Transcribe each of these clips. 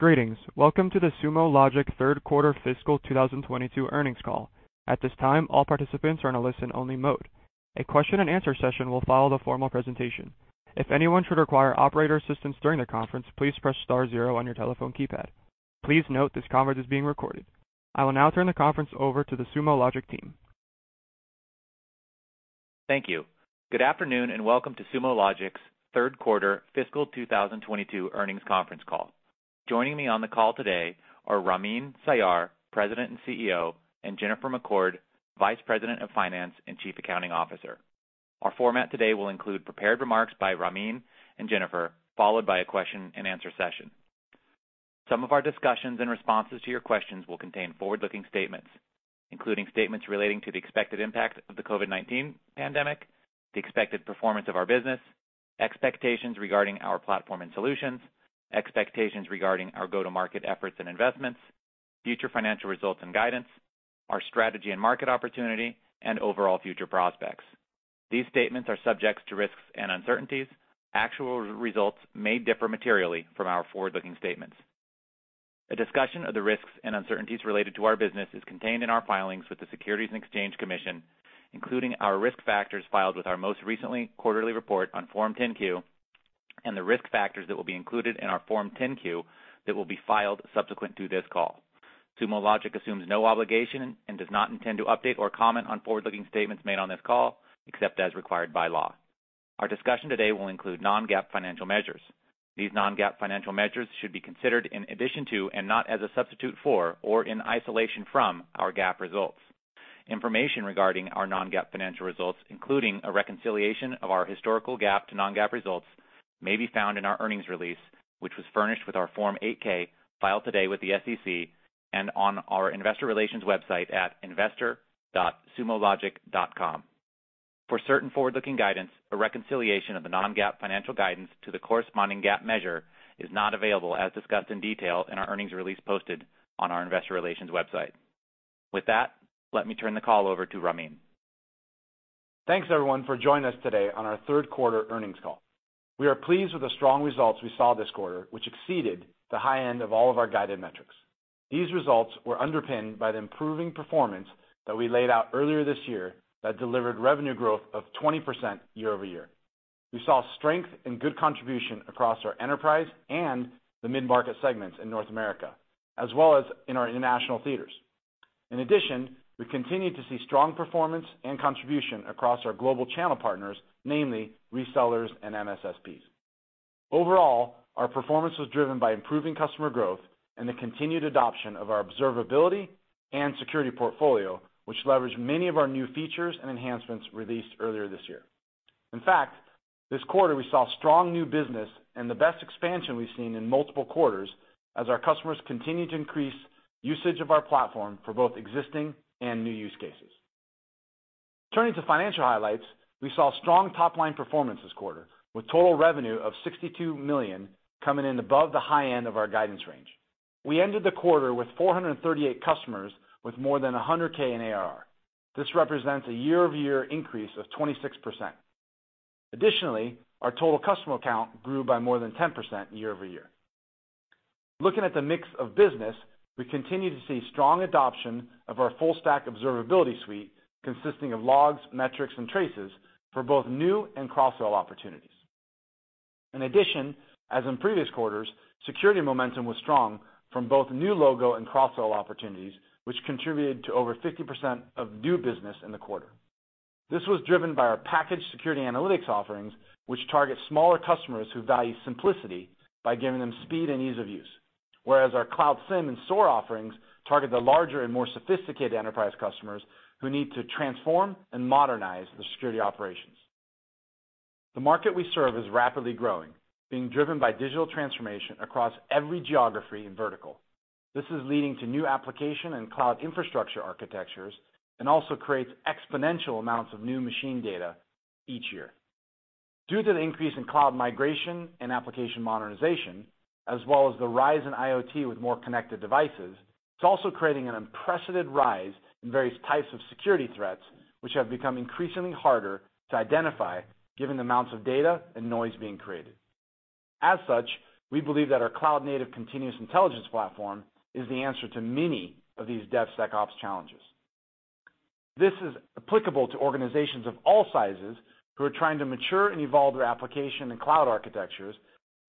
Greetings. Welcome to the Sumo Logic third quarter fiscal 2022 earnings call. At this time, all participants are in a listen-only mode. A question-and-answer session will follow the formal presentation. If anyone should require operator assistance during the conference, please press star zero on your telephone keypad. Please note this conference is being recorded. I will now turn the conference over to the Sumo Logic team. Thank you. Good afternoon, and welcome to Sumo Logic's third quarter fiscal 2022 earnings conference call. Joining me on the call today are Ramin Sayar, President and CEO, and Jennifer McCord, Vice President of Finance and Chief Accounting Officer. Our format today will include prepared remarks by Ramin and Jennifer, followed by a question and answer session. Some of our discussions and responses to your questions will contain forward-looking statements, including statements relating to the expected impact of the COVID-19 pandemic, the expected performance of our business, expectations regarding our platform and solutions, expectations regarding our go-to-market efforts and investments, future financial results and guidance, our strategy and market opportunity, and overall future prospects. These statements are subject to risks and uncertainties. Actual results may differ materially from our forward-looking statements. A discussion of the risks and uncertainties related to our business is contained in our filings with the Securities and Exchange Commission, including our risk factors filed with our most recent quarterly report on Form 10-Q, and the risk factors that will be included in our Form 10-Q that will be filed subsequent to this call. Sumo Logic assumes no obligation and does not intend to update or comment on forward-looking statements made on this call, except as required by law. Our discussion today will include non-GAAP financial measures. These non-GAAP financial measures should be considered in addition to and not as a substitute for or in isolation from our GAAP results. Information regarding our non-GAAP financial results, including a reconciliation of our historical GAAP to non-GAAP results, may be found in our earnings release, which was furnished with our Form 8-K filed today with the SEC and on our investor relations website at investor.sumologic.com. For certain forward-looking guidance, a reconciliation of the non-GAAP financial guidance to the corresponding GAAP measure is not available as discussed in detail in our earnings release posted on our investor relations website. With that, let me turn the call over to Ramin. Thanks everyone for joining us today on our third quarter earnings call. We are pleased with the strong results we saw this quarter, which exceeded the high end of all of our guided metrics. These results were underpinned by the improving performance that we laid out earlier this year that delivered revenue growth of 20% year-over-year. We saw strength and good contribution across our enterprise and the mid-market segments in North America, as well as in our international theaters. In addition, we continued to see strong performance and contribution across our global channel partners, namely resellers and MSSPs. Overall, our performance was driven by improving customer growth and the continued adoption of our observability and security portfolio, which leveraged many of our new features and enhancements released earlier this year. In fact, this quarter we saw strong new business and the best expansion we've seen in multiple quarters as our customers continued to increase usage of our platform for both existing and new use cases. Turning to financial highlights, we saw strong top-line performance this quarter, with total revenue of $62 million coming in above the high end of our guidance range. We ended the quarter with 438 customers with more than 100K in ARR. This represents a year-over-year increase of 26%. Additionally, our total customer count grew by more than 10% year-over-year. Looking at the mix of business, we continue to see strong adoption of our full stack observability suite consisting of logs, metrics, and traces for both new and cross-sell opportunities. In addition, as in previous quarters, security momentum was strong from both new logo and cross-sell opportunities, which contributed to over 50% of new business in the quarter. This was driven by our packaged security analytics offerings, which target smaller customers who value simplicity by giving them speed and ease of use. Whereas our Cloud SIEM and SOAR offerings target the larger and more sophisticated enterprise customers who need to transform and modernize their security operations. The market we serve is rapidly growing, being driven by digital transformation across every geography and vertical. This is leading to new application and cloud infrastructure architectures, and also creates exponential amounts of new machine data each year. Due to the increase in cloud migration and application modernization, as well as the rise in IoT with more connected devices, it's also creating an unprecedented rise in various types of security threats, which have become increasingly harder to identify given the amounts of data and noise being created. As such, we believe that our cloud-native continuous intelligence platform is the answer to many of these DevSecOps challenges. This is applicable to organizations of all sizes who are trying to mature and evolve their application and cloud architectures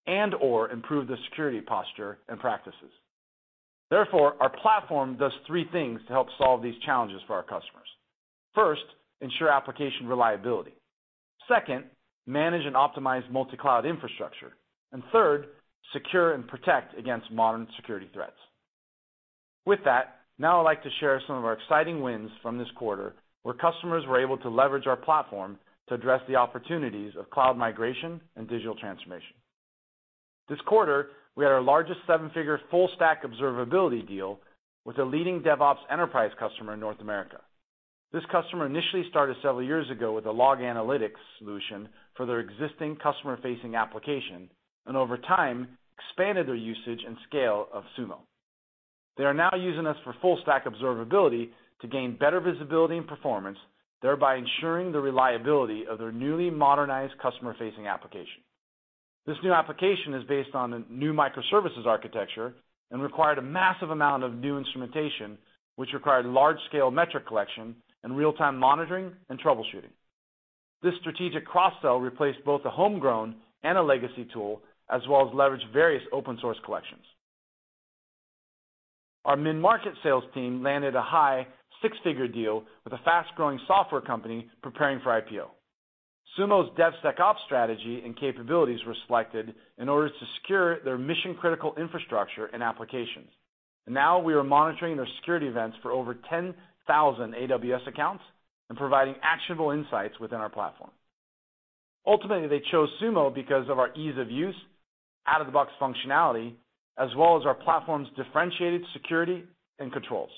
and/or improve their security posture and practices. Therefore, our platform does three things to help solve these challenges for our customers. First, ensure application reliability. Second, manage and optimize multi-cloud infrastructure. And third, secure and protect against modern security threats. With that, now I'd like to share some of our exciting wins from this quarter, where customers were able to leverage our platform to address the opportunities of cloud migration and digital transformation. This quarter, we had our largest seven-figure full stack observability deal with a leading DevOps enterprise customer in North America. This customer initially started several years ago with a log analytics solution for their existing customer-facing application, and over time expanded their usage and scale of Sumo. They are now using us for full-stack observability to gain better visibility and performance, thereby ensuring the reliability of their newly modernized customer-facing application. This new application is based on a new microservices architecture and required a massive amount of new instrumentation, which required large-scale metric collection and real-time monitoring and troubleshooting. This strategic cross-sell replaced both a homegrown and a legacy tool, as well as leveraged various open source collections. Our mid-market sales team landed a high six-figure deal with a fast-growing software company preparing for IPO. Sumo's DevSecOps strategy and capabilities were selected in order to secure their mission-critical infrastructure and applications. Now we are monitoring their security events for over 10,000 AWS accounts and providing actionable insights within our platform. Ultimately, they chose Sumo because of our ease of use, out-of-the-box functionality, as well as our platform's differentiated security and controls.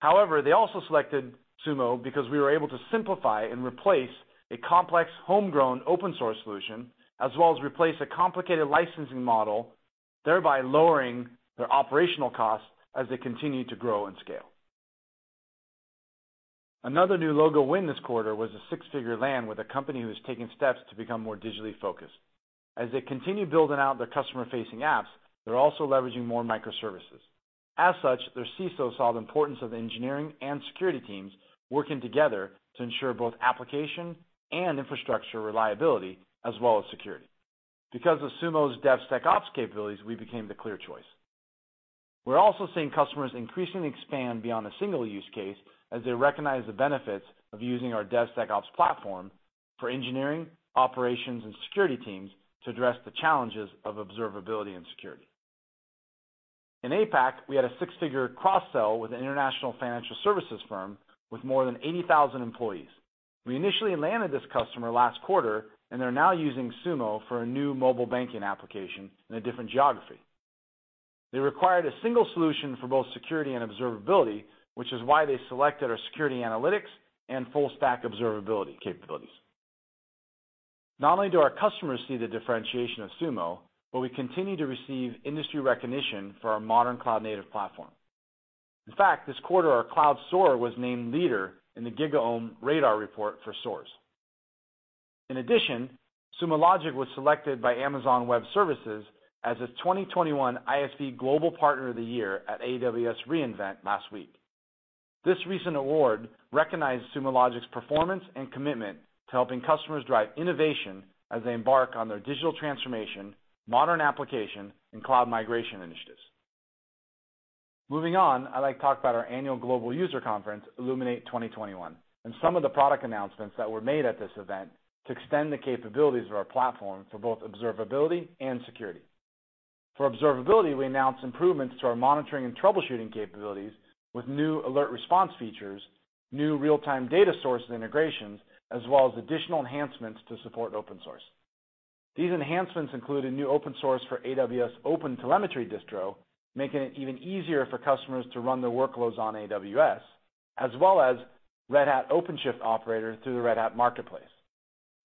However, they also selected Sumo because we were able to simplify and replace a complex homegrown open source solution, as well as replace a complicated licensing model, thereby lowering their operational costs as they continue to grow and scale. Another new logo win this quarter was a six-figure land with a company who has taken steps to become more digitally focused. As they continue building out their customer-facing apps, they're also leveraging more microservices. As such, their CISO saw the importance of engineering and security teams working together to ensure both application and infrastructure reliability, as well as security. Because of Sumo's DevSecOps capabilities, we became the clear choice. We're also seeing customers increasingly expand beyond a single use case as they recognize the benefits of using our DevSecOps platform for engineering, operations, and security teams to address the challenges of observability and security. In APAC, we had a six-figure cross-sell with an international financial services firm with more than 80,000 employees. We initially landed this customer last quarter, and they're now using Sumo for a new mobile banking application in a different geography. They required a single solution for both security and observability, which is why they selected our security analytics and full-stack observability capabilities. Not only do our customers see the differentiation of Sumo, but we continue to receive industry recognition for our modern cloud-native platform. In fact, this quarter, our Cloud SOAR was named Leader in the GigaOm Radar report for SOARs. In addition, Sumo Logic was selected by Amazon Web Services as its 2021 ISV Global Partner of the Year at AWS re:Invent last week. This recent award recognized Sumo Logic's performance and commitment to helping customers drive innovation as they embark on their digital transformation, modern application, and cloud migration initiatives. Moving on, I'd like to talk about our annual global user conference, Illuminate 2021, and some of the product announcements that were made at this event to extend the capabilities of our platform for both observability and security. For observability, we announced improvements to our monitoring and troubleshooting capabilities with new alert response features, new real-time data source integrations, as well as additional enhancements to support open source. These enhancements include a new open source for AWS OpenTelemetry Distro, making it even easier for customers to run their workloads on AWS, as well as Red Hat OpenShift Operator through the Red Hat Marketplace.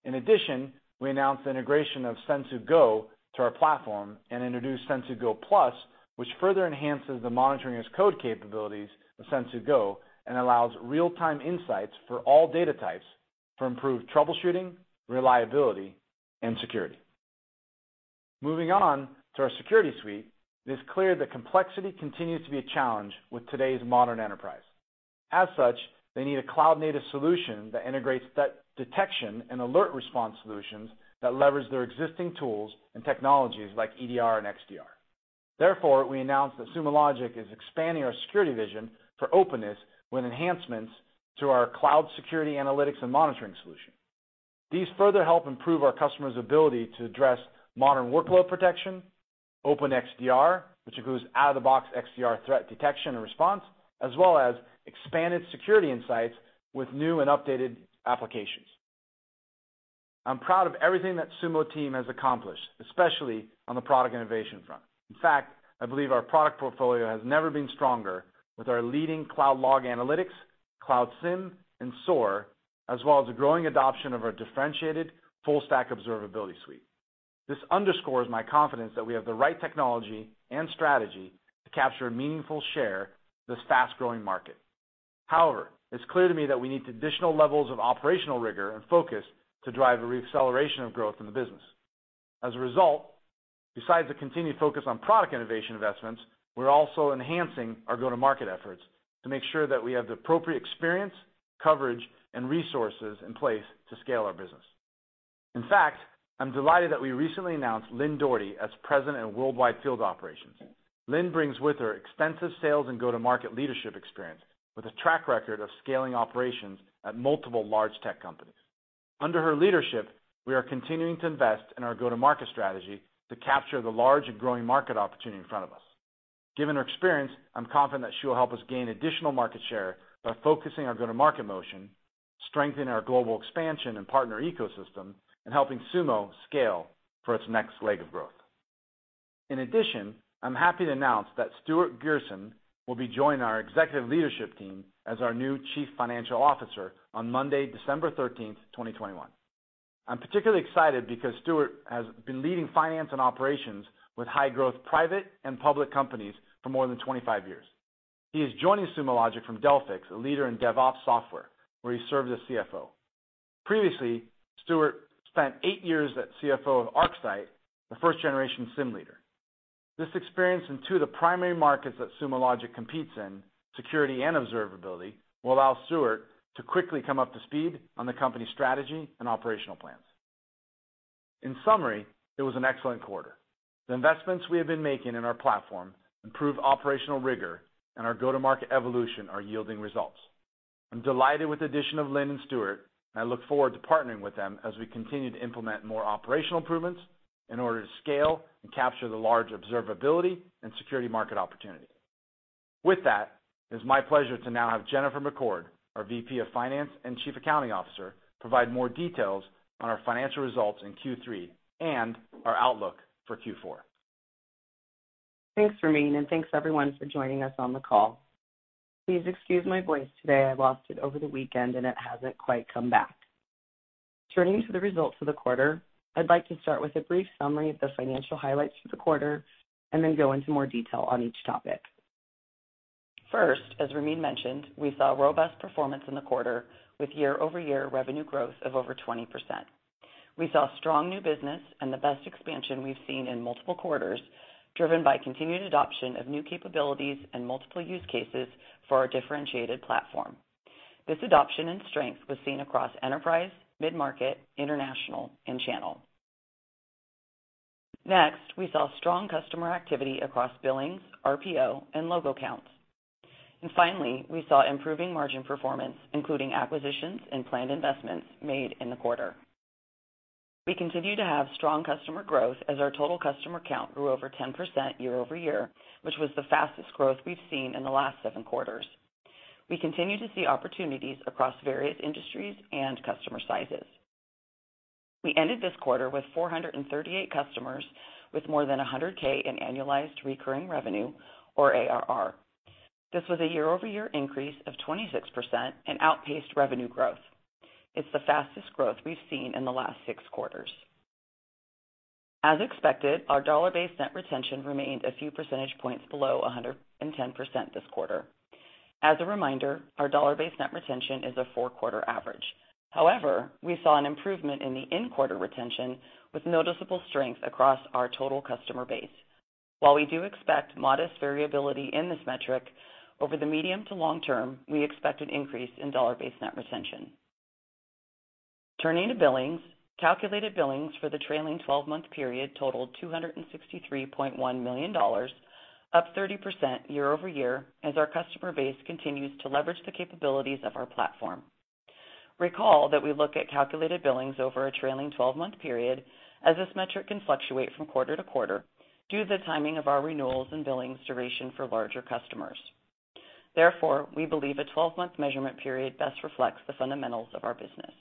In addition, we announced the integration of Sensu Go to our platform and introduced Sensu Go Plus, which further enhances the monitoring as code capabilities of Sensu Go and allows real-time insights for all data types to improve troubleshooting, reliability, and security. Moving on to our security suite, it is clear that complexity continues to be a challenge with today's modern enterprise. As such, they need a cloud-native solution that integrates detection and alert response solutions that leverage their existing tools and technologies like EDR and XDR. Therefore, we announced that Sumo Logic is expanding our security vision for openness with enhancements to our cloud security analytics and monitoring solution. These further help improve our customers' ability to address modern workload protection, Open XDR, which includes out-of-the-box XDR threat detection and response, as well as expanded security insights with new and updated applications. I'm proud of everything that Sumo team has accomplished, especially on the product innovation front. In fact, I believe our product portfolio has never been stronger with our leading cloud log analytics, Cloud SIEM, and SOAR, as well as the growing adoption of our differentiated full-stack Observability Suite. This underscores my confidence that we have the right technology and strategy to capture a meaningful share of this fast-growing market. However, it's clear to me that we need additional levels of operational rigor and focus to drive a re-acceleration of growth in the business. As a result, besides the continued focus on product innovation investments, we're also enhancing our go-to-market efforts to make sure that we have the appropriate experience, coverage, and resources in place to scale our business. In fact, I'm delighted that we recently announced Lynne Doherty as President of Worldwide Field Operations. Lynne brings with her extensive sales and go-to-market leadership experience with a track record of scaling operations at multiple large tech companies. Under her leadership, we are continuing to invest in our go-to-market strategy to capture the large and growing market opportunity in front of us. Given her experience, I'm confident that she will help us gain additional market share by focusing our go-to-market motion, strengthening our global expansion and partner ecosystem, and helping Sumo scale for its next leg of growth. In addition, I'm happy to announce that Stewart Grierson will be joining our executive leadership team as our new Chief Financial Officer on Monday, December 13, 2021. I'm particularly excited because Stewart Grierson has been leading finance and operations with high-growth private and public companies for more than 25 years. He is joining Sumo Logic from Delphix, a leader in DevOps software, where he served as CFO. Previously, Stewart Grierson spent eight years as CFO of ArcSight, the first-generation SIEM leader. This experience in two of the primary markets that Sumo Logic competes in, security and observability, will allow Stewart Grierson to quickly come up to speed on the company's strategy and operational plans. In summary, it was an excellent quarter. The investments we have been making in our platform, improved operational rigor, and our go-to-market evolution are yielding results. I'm delighted with the addition of Lynne and Stewart. I look forward to partnering with them as we continue to implement more operational improvements in order to scale and capture the large observability and security market opportunity. With that, it's my pleasure to now have Jennifer McCord, our VP of finance and chief accounting officer, provide more details on our financial results in Q3 and our outlook for Q4. Thanks, Ramin, and thanks, everyone, for joining us on the call. Please excuse my voice today. I lost it over the weekend, and it hasn't quite come back. Turning to the results for the quarter, I'd like to start with a brief summary of the financial highlights for the quarter and then go into more detail on each topic. First, as Ramin mentioned, we saw robust performance in the quarter with year-over-year revenue growth of over 20%. We saw strong new business and the best expansion we've seen in multiple quarters, driven by continued adoption of new capabilities and multiple use cases for our differentiated platform. This adoption and strength was seen across enterprise, mid-market, international, and channel. Next, we saw strong customer activity across billings, RPO, and logo counts. Finally, we saw improving margin performance, including acquisitions and planned investments made in the quarter. We continue to have strong customer growth as our total customer count grew over 10% year-over-year, which was the fastest growth we've seen in the last seven quarters. We continue to see opportunities across various industries and customer sizes. We ended this quarter with 438 customers with more than 100K in annualized recurring revenue, or ARR. This was a year-over-year increase of 26% and outpaced revenue growth. It's the fastest growth we've seen in the last six quarters. As expected, our dollar-based net retention remained a few percentage points below 110% this quarter. As a reminder, our dollar-based net retention is a four-quarter average. However, we saw an improvement in the in-quarter retention with noticeable strength across our total customer base. While we do expect modest variability in this metric, over the medium to long term, we expect an increase in dollar-based net retention. Turning to billings, calculated billings for the trailing-twelve-month period totaled $263.1 million, up 30% year-over-year as our customer base continues to leverage the capabilities of our platform. Recall that we look at calculated billings over a trailing-twelve-month period, as this metric can fluctuate from quarter to quarter due to the timing of our renewals and billings duration for larger customers. Therefore, we believe a twelve-month measurement period best reflects the fundamentals of our business.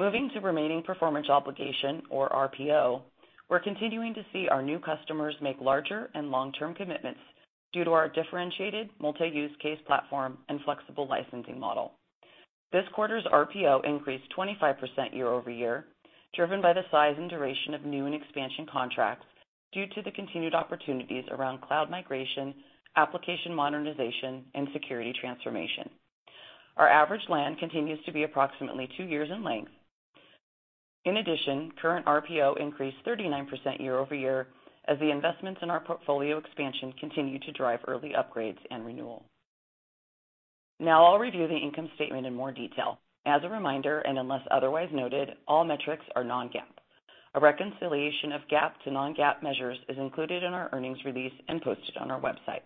Moving to remaining performance obligation, or RPO, we're continuing to see our new customers make larger and long-term commitments due to our differentiated multi-use case platform and flexible licensing model. This quarter's RPO increased 25% year-over-year, driven by the size and duration of new and expansion contracts due to the continued opportunities around cloud migration, application modernization, and security transformation. Our average land continues to be approximately two years in length. In addition, current RPO increased 39% year-over-year as the investments in our portfolio expansion continue to drive early upgrades and renewals. Now I'll review the income statement in more detail. As a reminder, and unless otherwise noted, all metrics are non-GAAP. A reconciliation of GAAP to non-GAAP measures is included in our earnings release and posted on our website.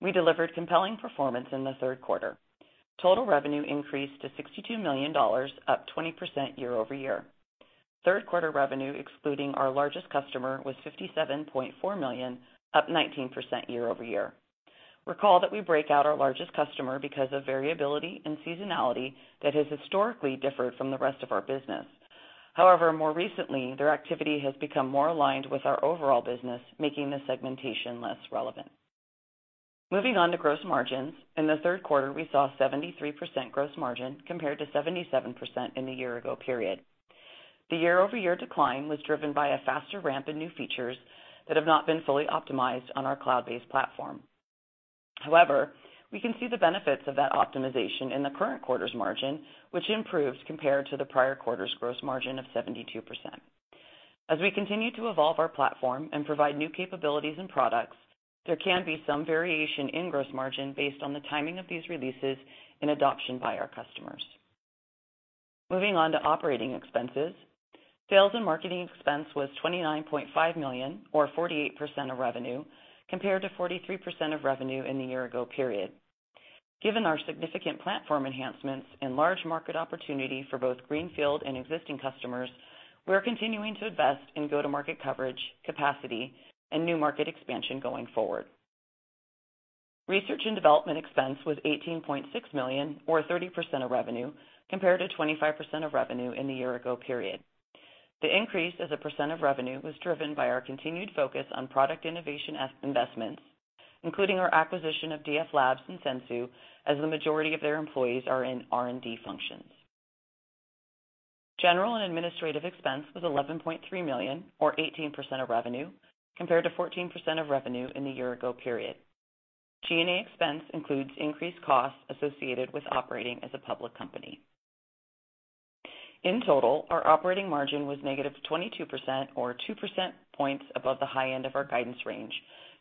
We delivered compelling performance in the third quarter. Total revenue increased to $62 million, up 20% year-over-year. Third quarter revenue, excluding our largest customer, was $57.4 million, up 19% year-over-year. Recall that we break out our largest customer because of variability and seasonality that has historically differed from the rest of our business. However, more recently, their activity has become more aligned with our overall business, making the segmentation less relevant. Moving on to gross margins, in the third quarter, we saw 73% gross margin compared to 77% in the year ago period. The year-over-year decline was driven by a faster ramp in new features that have not been fully optimized on our cloud-based platform. However, we can see the benefits of that optimization in the current quarter's margin, which improved compared to the prior quarter's gross margin of 72%. As we continue to evolve our platform and provide new capabilities and products, there can be some variation in gross margin based on the timing of these releases and adoption by our customers. Moving on to operating expenses. Sales and marketing expense was $29.5 million or 48% of revenue, compared to 43% of revenue in the year ago period. Given our significant platform enhancements and large market opportunity for both greenfield and existing customers, we are continuing to invest in go-to-market coverage, capacity, and new market expansion going forward. Research and development expense was $18.6 million or 30% of revenue, compared to 25% of revenue in the year ago period. The increase as a percent of revenue was driven by our continued focus on product innovation and investments, including our acquisition of DFLabs and Sensu, as the majority of their employees are in R&D functions. General and administrative expense was $11.3 million, or 18% of revenue, compared to 14% of revenue in the year ago period. G&A expense includes increased costs associated with operating as a public company. In total, our operating margin was -22% or 2 percentage points above the high end of our guidance range,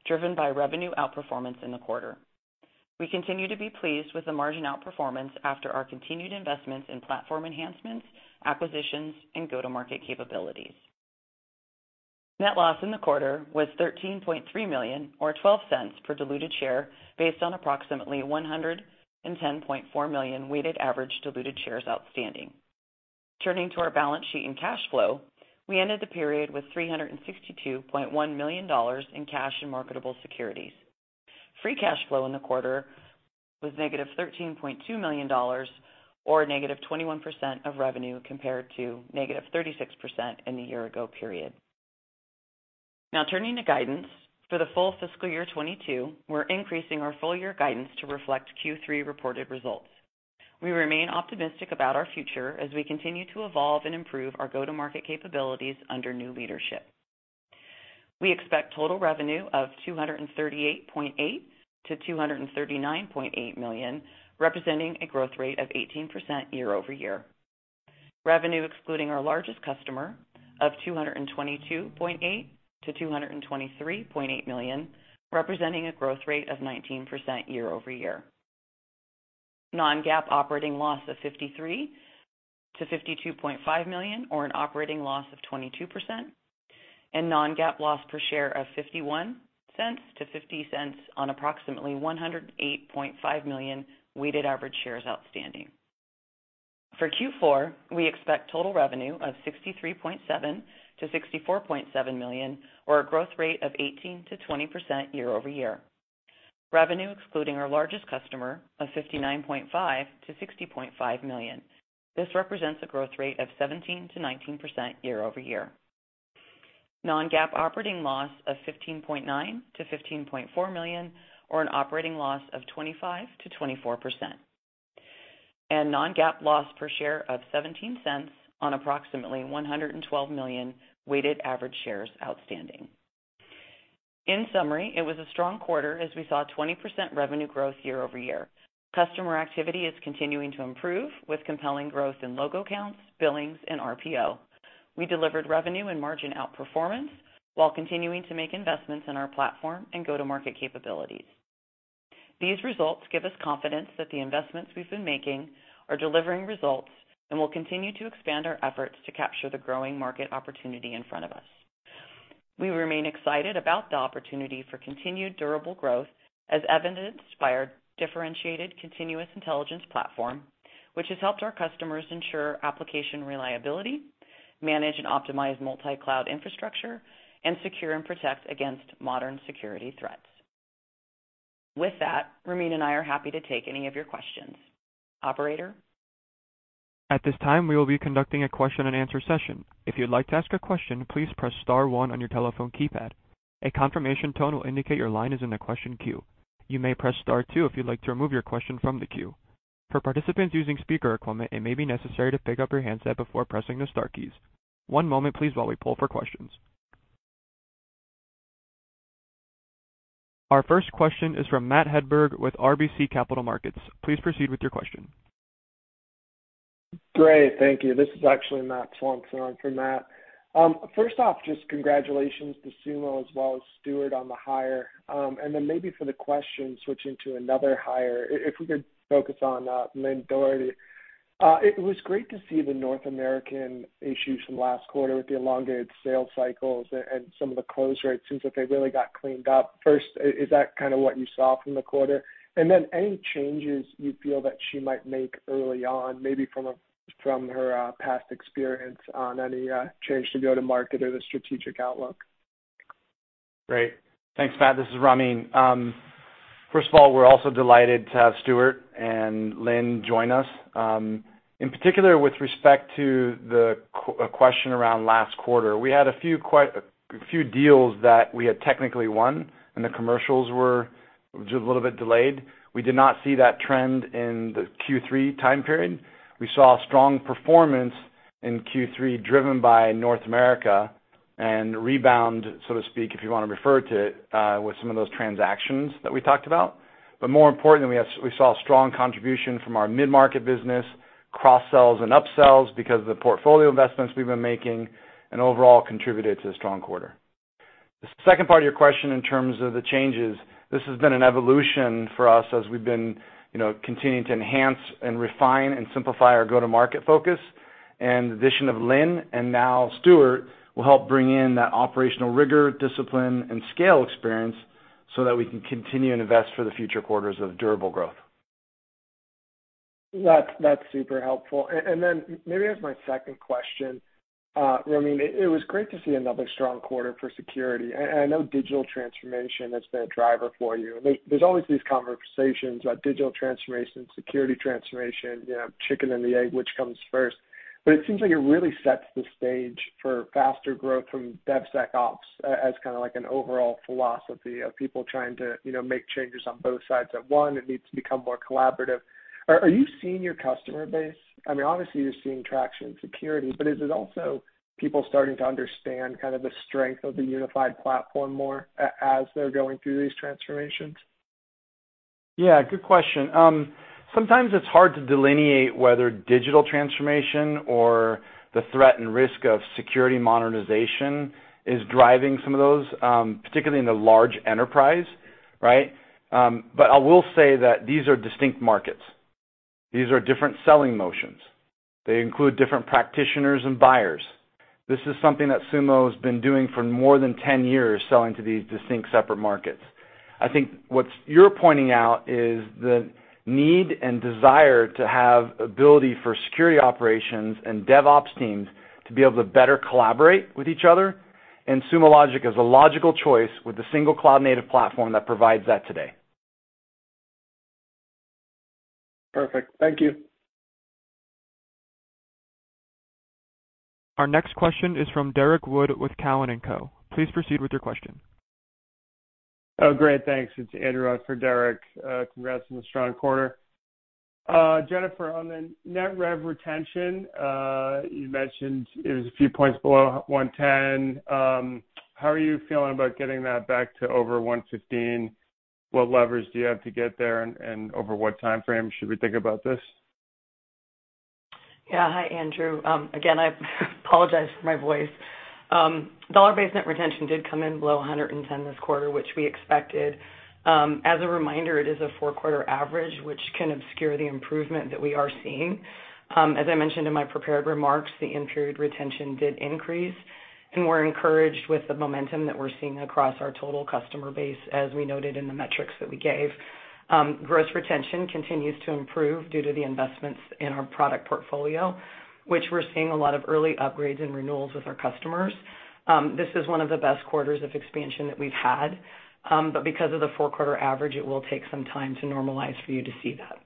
driven by revenue outperformance in the quarter. We continue to be pleased with the margin outperformance after our continued investments in platform enhancements, acquisitions, and go-to-market capabilities. Net loss in the quarter was $13.3 million or $0.12 per diluted share based on approximately 110.4 million weighted average diluted shares outstanding. Turning to our balance sheet and cash flow, we ended the period with $362.1 million in cash and marketable securities. Free cash flow in the quarter was -$13.2 million, or -21% of revenue compared to -36% in the year ago period. Now turning to guidance. For the full fiscal year 2022, we're increasing our full year guidance to reflect Q3 reported results. We remain optimistic about our future as we continue to evolve and improve our go-to-market capabilities under new leadership. We expect total revenue of $238.8 million-$239.8 million, representing a growth rate of 18% year-over-year. Revenue excluding our largest customer of $222.8 million-$223.8 million, representing a growth rate of 19% year-over-year. Non-GAAP operating loss of $53 million-$52.5 million, or an operating loss of 22%, and non-GAAP loss per share of $0.51-$0.50 on approximately 108.5 million weighted average shares outstanding. For Q4, we expect total revenue of $63.7 million-$64.7 million or a growth rate of 18%-20% year-over-year. Revenue excluding our largest customer of $59.5 million-$60.5 million. This represents a growth rate of 17%-19% year-over-year. non-GAAP operating loss of $15.9 million-$15.4 million or an operating loss of 25%-24%. non-GAAP loss per share of $0.17 on approximately 112 million weighted average shares outstanding. In summary, it was a strong quarter as we saw a 20% revenue growth year-over-year. Customer activity is continuing to improve with compelling growth in logo counts, billings, and RPO. We delivered revenue and margin outperformance while continuing to make investments in our platform and go-to-market capabilities. These results give us confidence that the investments we've been making are delivering results, and we'll continue to expand our efforts to capture the growing market opportunity in front of us. We remain excited about the opportunity for continued durable growth as evidenced by our differentiated continuous intelligence platform, which has helped our customers ensure application reliability, manage and optimize multi-cloud infrastructure, and secure and protect against modern security threats. With that, Ramin and I are happy to take any of your questions. Operator? At this time, we will be conducting a question and answer session. If you'd like to ask your question, please press star one on your telephone keypad, a confirmation tone will indicate your line is in the question queue. You may press star two if you like to remove your question from the queue. For participants using speakerphone, it may be necessary to pick up the handset before pressing the star keys. One moment please while we pull for questions. Our first question is from Matt Hedberg with RBC Capital Markets. Please proceed with your question. Great. Thank you. This is actually Matt Swanson filling in for Matt. First off, just congratulations to Sumo as well as Stewart on the hire. Then maybe for the question, switching to another hire, if we could focus on Lynne Doherty. It was great to see the North American issues from last quarter with the elongated sales cycles and some of the close rates. Seems like they really got cleaned up. First, is that kinda what you saw from the quarter? And then any changes you feel that she might make early on, maybe from her past experience on any change to go-to-market or the strategic outlook? Great. Thanks, Matt. This is Ramin. First of all, we're also delighted to have Stewart and Lynn join us. In particular, with respect to the question around last quarter, we had a few deals that we had technically won and the commercials were a little bit delayed. We did not see that trend in the Q3 time period. We saw strong performance in Q3 driven by North America and rebound, so to speak, if you wanna refer to it, with some of those transactions that we talked about. More importantly, we saw strong contribution from our mid-market business, cross sells and upsells because of the portfolio investments we've been making and overall contributed to a strong quarter. The second part of your question in terms of the changes, this has been an evolution for us as we've been, you know, continuing to enhance and refine and simplify our go-to-market focus. The addition of Lynn and now Stuart will help bring in that operational rigor, discipline, and scale experience so that we can continue and invest for the future quarters of durable growth. That's super helpful. Maybe as my second question, Ramin, it was great to see another strong quarter for security. I know digital transformation has been a driver for you. There's always these conversations about digital transformation, security transformation, you know, chicken and the egg, which comes first. It seems like it really sets the stage for faster growth from DevSecOps as kinda like an overall philosophy of people trying to, you know, make changes on both sides. At one, it needs to become more collaborative. Are you seeing your customer base? I mean, obviously, you're seeing traction in security, but is it also people starting to understand kind of the strength of the unified platform more as they're going through these transformations? Yeah, good question. Sometimes it's hard to delineate whether digital transformation or the threat and risk of security modernization is driving some of those, particularly in the large enterprise, right? I will say that these are distinct markets. These are different selling motions. They include different practitioners and buyers. This is something that Sumo has been doing for more than 10 years, selling to these distinct separate markets. I think what you're pointing out is the need and desire to have ability for security operations and DevOps teams to be able to better collaborate with each other, and Sumo Logic is a logical choice with a single cloud-native platform that provides that today. Perfect. Thank you. Our next question is from Derrick Wood with Cowen and Company. Please proceed with your question. Oh, great. Thanks. It's Andrew in for Derrick. Congrats on the strong quarter. Jennifer, on the net rev retention, you mentioned it was a few points below 110. How are you feeling about getting that back to over 115? What levers do you have to get there and over what time frame should we think about this? Yeah. Hi, Andrew. Again, I apologize for my voice. Dollar-based net retention did come in below 110 this quarter, which we expected. As a reminder, it is a four-quarter average, which can obscure the improvement that we are seeing. As I mentioned in my prepared remarks, the in-period retention did increase, and we're encouraged with the momentum that we're seeing across our total customer base, as we noted in the metrics that we gave. Gross retention continues to improve due to the investments in our product portfolio, which we're seeing a lot of early upgrades and renewals with our customers. This is one of the best quarters of expansion that we've had. Because of the four-quarter average, it will take some time to normalize for you to see that.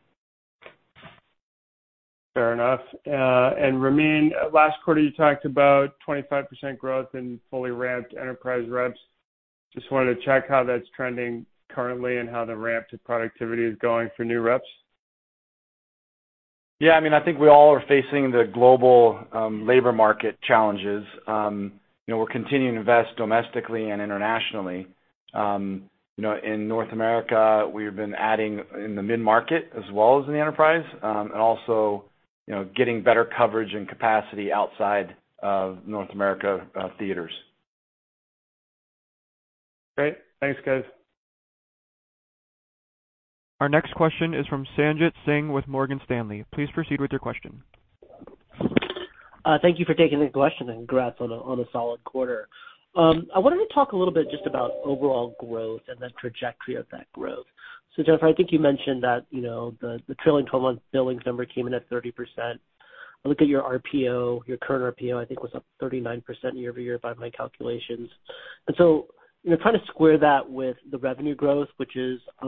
Fair enough. Ramin, last quarter, you talked about 25% growth in fully ramped enterprise reps. Just wanted to check how that's trending currently and how the ramp to productivity is going for new reps. Yeah, I mean, I think we all are facing the global labor market challenges. You know, we're continuing to invest domestically and internationally. You know, in North America, we've been adding in the mid-market as well as in the enterprise, and also, you know, getting better coverage and capacity outside of North America, theaters. Great. Thanks, guys. Our next question is from Sanjit Singh with Morgan Stanley. Please proceed with your question. Thank you for taking the question, and congrats on a solid quarter. I wanted to talk a little bit just about overall growth and the trajectory of that growth. Jennifer, I think you mentioned that, you know, the trailing twelve-month billings number came in at 30%. I looked at your RPO, your current RPO, I think, was up 39% year-over-year by my calculations. You know, trying to square that with the revenue growth, which is, you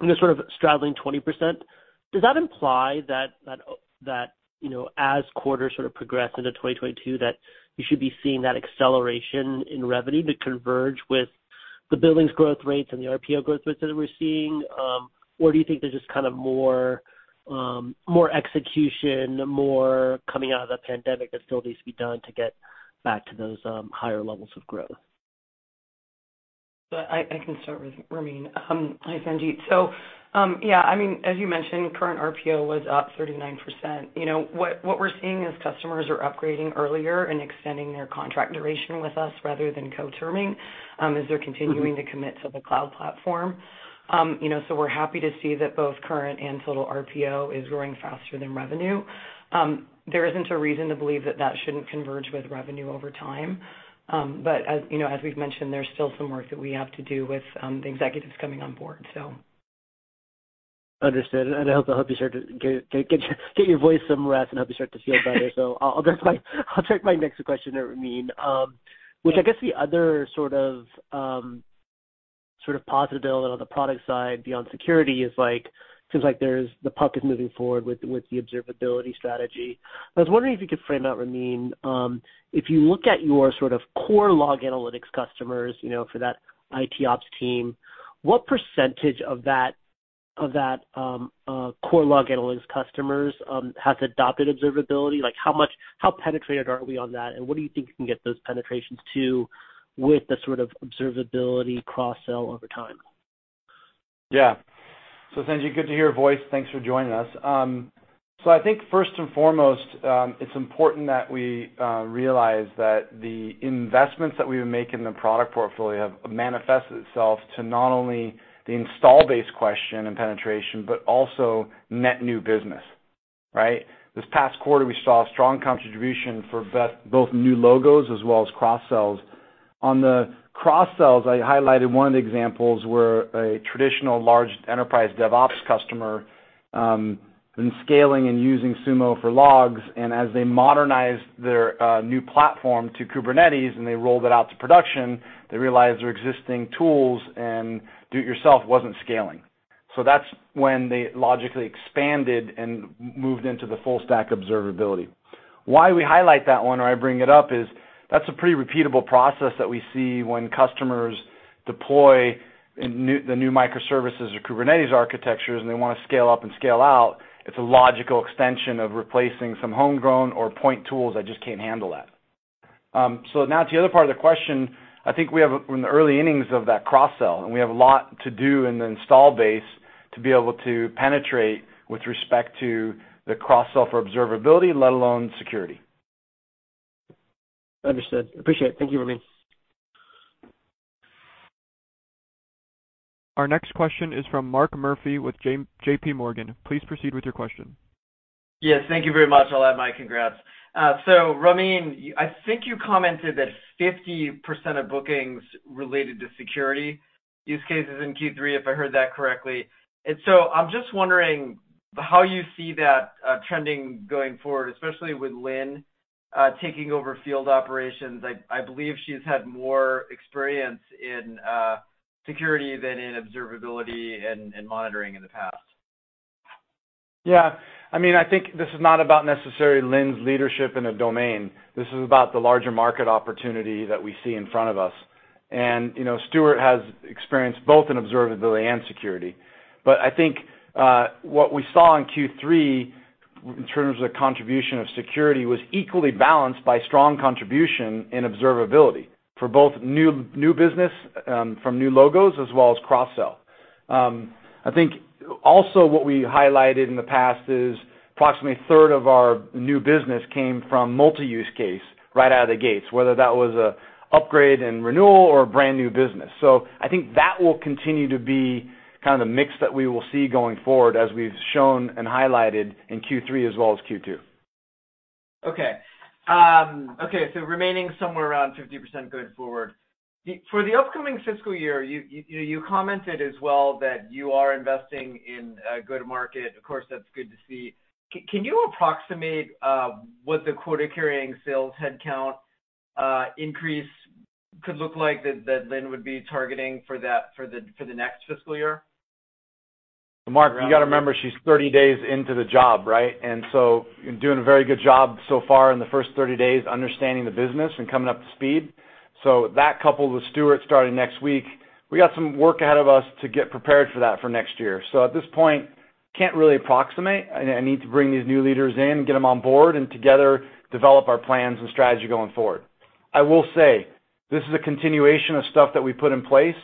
know, sort of straddling 20%, does that imply that, you know, as quarters sort of progress into 2022, that you should be seeing that acceleration in revenue to converge with the billings growth rates and the RPO growth rates that we're seeing? Do you think there's just kind of more execution, more coming out of the pandemic that still needs to be done to get back to those higher levels of growth? I can start with Ramin. Hi, Sanjit. Yeah, I mean, as you mentioned, current RPO was up 39%. You know what we're seeing is customers are upgrading earlier and extending their contract duration with us rather than co-terming, as they're continuing to commit to the cloud platform. You know, we're happy to see that both current and total RPO is growing faster than revenue. There isn't a reason to believe that shouldn't converge with revenue over time. But as you know, as we've mentioned, there's still some work that we have to do with the executives coming on board. Understood. I hope you start to get your voice some rest and hope you start to feel better. I'll take my next question to Ramin. I guess the other sort of positivity on the product side beyond security is like, seems like the puck is moving forward with the observability strategy. I was wondering if you could frame out, Ramin, if you look at your sort of core log analytics customers, you know, for that IT ops team, what percentage of that core log analytics customers has adopted observability? Like, how penetrated are we on that, and what do you think you can get those penetrations to with the sort of observability cross-sell over time? Yeah. Sanjit, good to hear your voice. Thanks for joining us. I think first and foremost, it's important that we realize that the investments that we make in the product portfolio have manifested itself to not only the install base question and penetration, but also net new business, right? This past quarter, we saw strong contribution for both new logos as well as cross-sells. On the cross-sells, I highlighted one of the examples where a traditional large enterprise DevOps customer been scaling and using Sumo for logs, and as they modernized their new platform to Kubernetes and they rolled it out to production, they realized their existing tools and do-it-yourself wasn't scaling. That's when they logically expanded and moved into the full stack observability. Why we highlight that one or I bring it up is that's a pretty repeatable process that we see when customers deploy the new microservices or Kubernetes architectures, and they wanna scale up and scale out. It's a logical extension of replacing some homegrown or point tools that just can't handle that. Now to the other part of the question, I think we have, in the early innings of that cross-sell, and we have a lot to do in the install base to be able to penetrate with respect to the cross-sell for observability, let alone security. Understood. Appreciate it. Thank you, Ramin. Our next question is from Mark Murphy with JPMorgan. Please proceed with your question. Yes, thank you very much. I'll add my congrats. So Ramin, I think you commented that 50% of bookings related to security use cases in Q3, if I heard that correctly. I'm just wondering how you see that trending going forward, especially with Lynn taking over field operations. I believe she's had more experience in security than in observability and monitoring in the past. Yeah. I mean, I think this is not about necessarily Lynne's leadership in a domain. This is about the larger market opportunity that we see in front of us. You know, Stewart has experience both in observability and security. I think what we saw in Q3 in terms of the contribution of security was equally balanced by strong contribution in observability for both new business from new logos as well as cross-sell. I think also what we highlighted in the past is approximately a third of our new business came from multi-use case right out of the gates, whether that was an upgrade and renewal or brand-new business. I think that will continue to be kind of the mix that we will see going forward as we've shown and highlighted in Q3 as well as Q2. Okay. Remaining somewhere around 50% going forward. For the upcoming fiscal year, you commented as well that you are investing in a go-to-market. Of course, that's good to see. Can you approximate what the quota-carrying sales headcount increase could look like that Lynn would be targeting for the next fiscal year? Mark, you got to remember she's 30 days into the job, right? Doing a very good job so far in the first 30 days, understanding the business and coming up to speed. That coupled with Stewart starting next week, we got some work ahead of us to get prepared for that for next year. At this point, can't really approximate. I need to bring these new leaders in, get them on board, and together develop our plans and strategy going forward. I will say this is a continuation of stuff that we put in place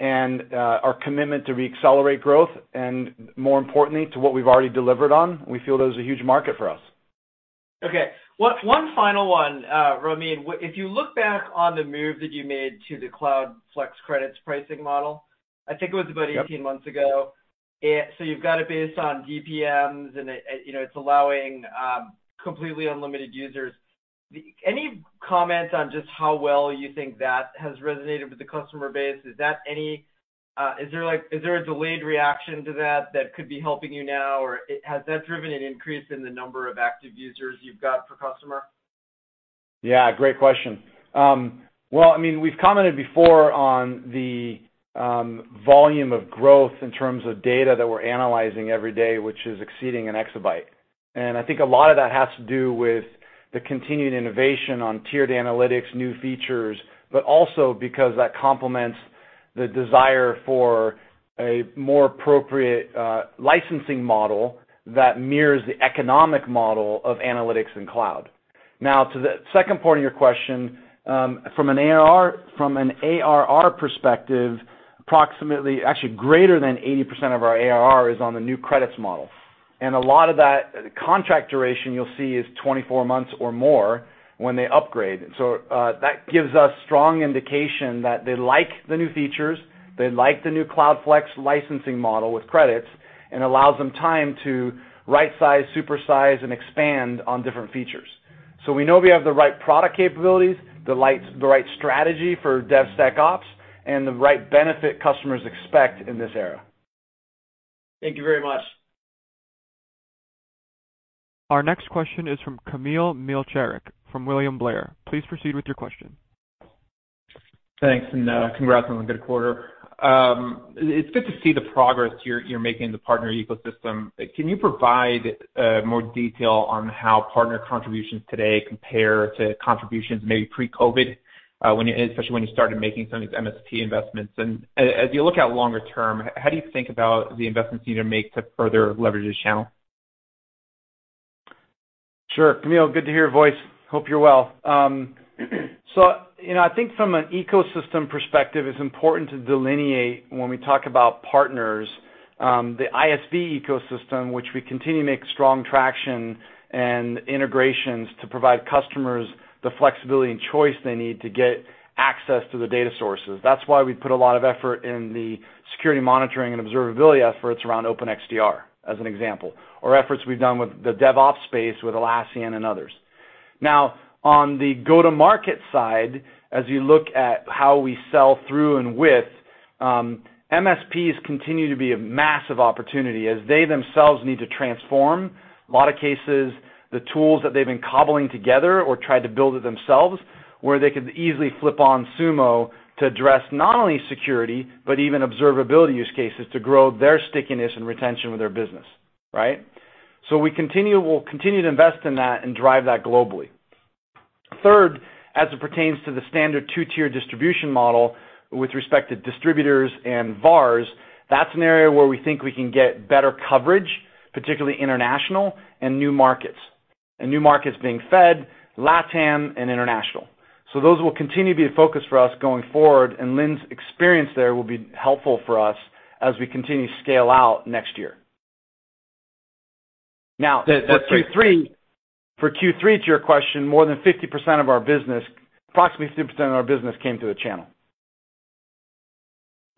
and, our commitment to reaccelerate growth and more importantly, to what we've already delivered on, we feel there's a huge market for us. Okay. One final one, Ramin. If you look back on the move that you made to the Cloud Flex Credits pricing model, I think it was about 18 months ago. You've got it based on DPMs, and it, you know, it's allowing completely unlimited users. Any comments on just how well you think that has resonated with the customer base? Is there a delayed reaction to that that could be helping you now? Or has that driven an increase in the number of active users you've got per customer? Yeah, great question. Well, I mean, we've commented before on the volume of growth in terms of data that we're analyzing every day, which is exceeding an exabyte. I think a lot of that has to do with the continued innovation on tiered analytics, new features, but also because that complements the desire for a more appropriate licensing model that mirrors the economic model of analytics and cloud. Now, to the second part of your question, from an ARR perspective, approximately actually greater than 80% of our ARR is on the new credits model. A lot of that contract duration you'll see is 24 months or more when they upgrade. that gives us strong indication that they like the new features, they like the new Cloud Flex licensing model with credits, and allows them time to right-size, supersize, and expand on different features. We know we have the right product capabilities, the right strategy for DevSecOps, and the right benefit customers expect in this era. Thank you very much. Our next question is from Kamil Mielczarek from William Blair. Please proceed with your question. Thanks, and congrats on a good quarter. It's good to see the progress you're making in the partner ecosystem. Can you provide more detail on how partner contributions today compare to contributions maybe pre-COVID, especially when you started making some of these MSP investments? As you look out longer term, how do you think about the investments you need to make to further leverage this channel? Sure. Kamil, good to hear your voice. Hope you're well. You know, I think from an ecosystem perspective, it's important to delineate when we talk about partners, the ISV ecosystem, which we continue to make strong traction and integrations to provide customers the flexibility and choice they need to get access to the data sources. That's why we put a lot of effort in the security monitoring and observability efforts around Open XDR, as an example, or efforts we've done with the DevOps space with Atlassian and others. Now, on the go-to-market side, as you look at how we sell through and with, MSPs continue to be a massive opportunity as they themselves need to transform. A lot of cases, the tools that they've been cobbling together or tried to build it themselves, where they could easily flip on Sumo to address not only security, but even observability use cases to grow their stickiness and retention with their business, right? We'll continue to invest in that and drive that globally. Third, as it pertains to the standard two-tier distribution model with respect to distributors and VARs, that's an area where we think we can get better coverage, particularly international and new markets. New markets being Fed, LatAm, and international. Those will continue to be a focus for us going forward, and Lynn's experience there will be helpful for us as we continue to scale out next year. Now, for Q3, to your question, more than 50% of our business, approximately 50% of our business came through the channel.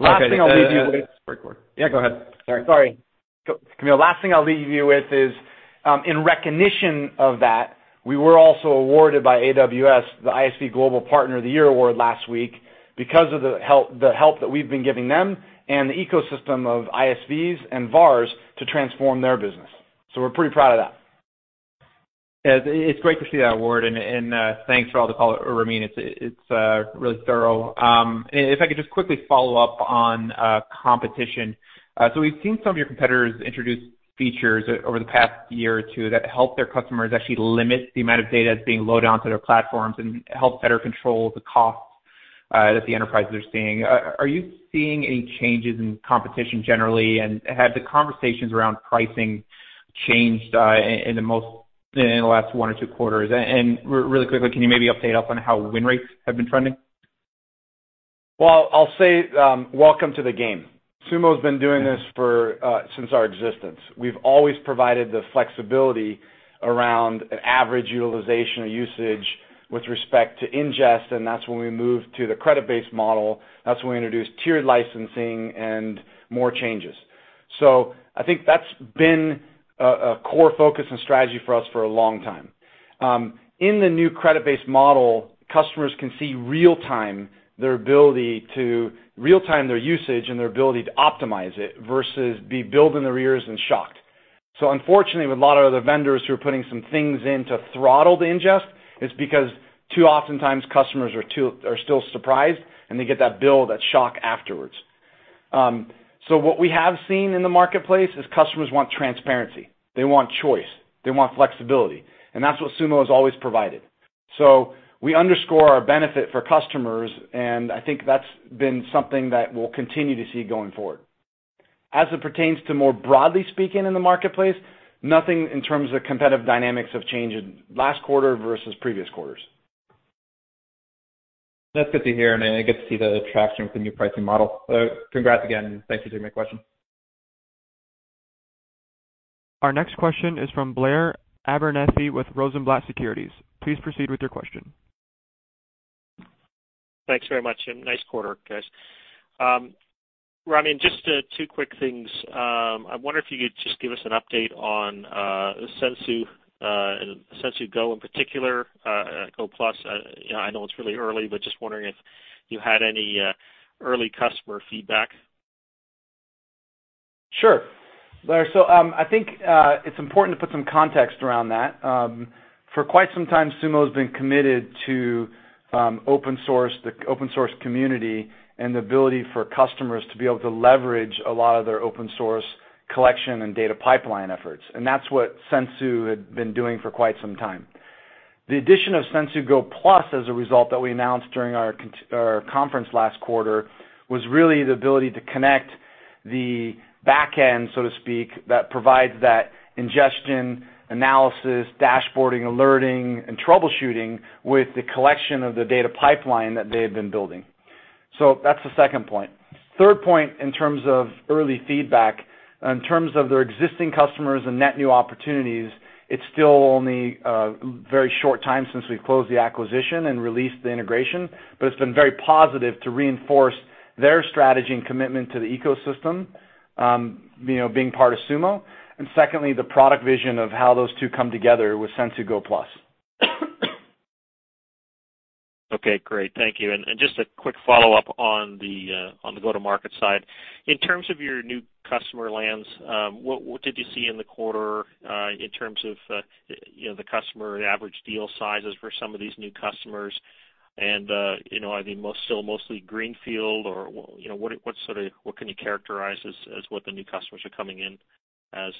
Okay. Last thing I'll leave you with. Great quarter. Yeah, go ahead. Sorry. Sorry. Kamil, last thing I'll leave you with is, in recognition of that, we were also awarded by AWS, the ISV Global Partner of the Year award last week because of the help that we've been giving them and the ecosystem of ISVs and VARs to transform their business. We're pretty proud of that. Yeah. It's great to see that award and thanks for all the color, Ramin. It's really thorough. If I could just quickly follow up on competition. We've seen some of your competitors introduce features over the past year or two that help their customers actually limit the amount of data that's being loaded onto their platforms and help better control the costs that the enterprises are seeing. Are you seeing any changes in competition generally? Have the conversations around pricing changed in the last one or two quarters? Really quickly, can you maybe update us on how win rates have been trending? I'll say, welcome to the game. Sumo's been doing this for since our existence. We've always provided the flexibility around average utilization or usage with respect to ingest, and that's when we moved to the credit-based model. That's when we introduced tiered licensing and more changes. I think that's been a core focus and strategy for us for a long time. In the new credit-based model, customers can see real-time their usage and their ability to optimize it versus be billed in arrears and shocked. Unfortunately, with a lot of other vendors who are putting some things in to throttle the ingest, it's because too oftentimes customers are still surprised, and they get that bill, that shock afterwards. What we have seen in the marketplace is customers want transparency. They want choice. They want flexibility. That's what Sumo has always provided. We underscore our benefit for customers, and I think that's been something that we'll continue to see going forward. As it pertains to more broadly speaking in the marketplace, nothing in terms of competitive dynamics have changed in last quarter versus previous quarters. That's good to hear, and it's good to see the traction with the new pricing model. Congrats again, and thanks for taking my question. Our next question is from Blair Abernethy with Rosenblatt Securities. Please proceed with your question. Thanks very much, and nice quarter, guys. Ramin, just two quick things. I wonder if you could just give us an update on Sensu and Sensu Go in particular, Sensu Plus. You know, I know it's really early, but just wondering if you had any early customer feedback. Sure, Blair. I think it's important to put some context around that. For quite some time, Sumo's been committed to open source, the open source community, and the ability for customers to be able to leverage a lot of their open source collection and data pipeline efforts. That's what Sensu had been doing for quite some time. The addition of Sensu Go Plus as a result that we announced during our conference last quarter was really the ability to connect the backend, so to speak, that provides that ingestion, analysis, dashboarding, alerting, and troubleshooting with the collection of the data pipeline that they had been building. That's the second point. Third point, in terms of early feedback, in terms of their existing customers and net new opportunities, it's still only a very short time since we've closed the acquisition and released the integration, but it's been very positive to reinforce their strategy and commitment to the ecosystem, you know, being part of Sumo. Secondly, the product vision of how those two come together with Sensu Go Plus. Okay, great. Thank you. Just a quick follow-up on the go-to-market side. In terms of your new customer lands, what did you see in the quarter in terms of, you know, the customer average deal sizes for some of these new customers and, you know, are they still mostly greenfield or, you know, what can you characterize as what the new customers are coming in as?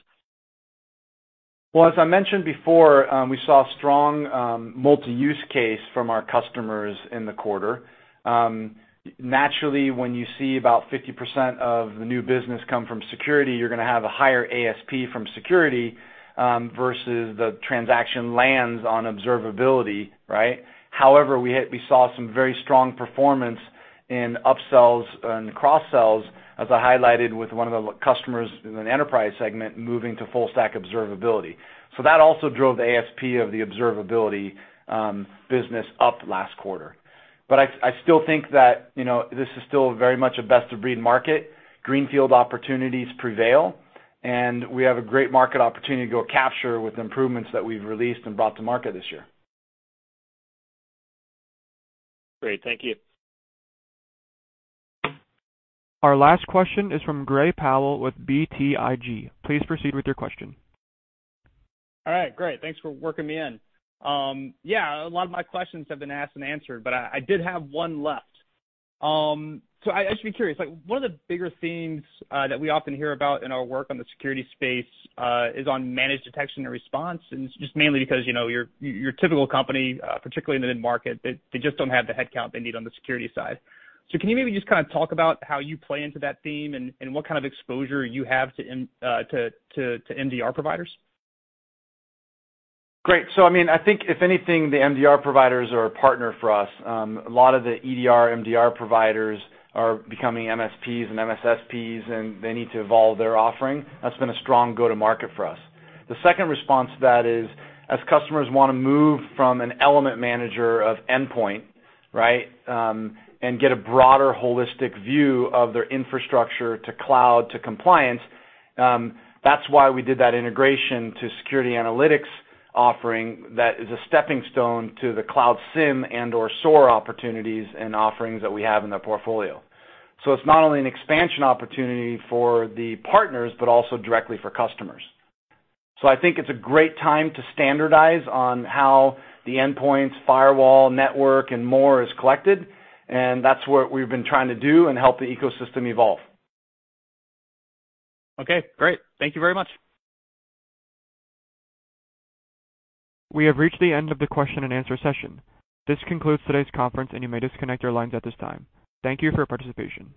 Well, as I mentioned before, we saw strong multi-use case from our customers in the quarter. Naturally, when you see about 50% of the new business come from security, you're gonna have a higher ASP from security versus the transaction lands on observability, right? However, we saw some very strong performance in upsells and cross-sells, as I highlighted with one of the customers in the enterprise segment moving to full stack observability. That also drove the ASP of the observability business up last quarter. I still think that, you know, this is still very much a best-of-breed market. Greenfield opportunities prevail, and we have a great market opportunity to go capture with improvements that we've released and brought to market this year. Great. Thank you. Our last question is from Gray Powell with BTIG. Please proceed with your question. All right, great. Thanks for working me in. Yeah, a lot of my questions have been asked and answered, but I did have one left. I was just curious, like what are the bigger themes that we often hear about in our work on the security space is on managed detection and response, and it's just mainly because, you know, your typical company, particularly in the mid-market, they just don't have the headcount they need on the security side. Can you maybe just kind of talk about how you play into that theme and what kind of exposure you have to MDR providers? Great. I mean, I think if anything, the MDR providers are a partner for us. A lot of the EDR, MDR providers are becoming MSPs and MSSPs, and they need to evolve their offering. That's been a strong go-to-market for us. The second response to that is, as customers wanna move from an element manager of endpoint, right, and get a broader holistic view of their infrastructure to cloud to compliance, that's why we did that integration to security analytics offering that is a stepping stone to the Cloud SIEM and/or SOAR opportunities and offerings that we have in the portfolio. It's not only an expansion opportunity for the partners, but also directly for customers. I think it's a great time to standardize on how the endpoints, firewall, network, and more is collected, and that's what we've been trying to do and help the ecosystem evolve. Okay, great. Thank you very much. We have reached the end of the question and answer session. This concludes today's conference, and you may disconnect your lines at this time. Thank you for your participation.